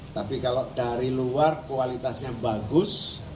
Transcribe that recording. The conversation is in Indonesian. tapi kalau dari luar kualitasnya bagus